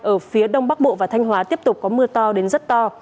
ở phía đông bắc bộ và thanh hóa tiếp tục có mưa to đến rất to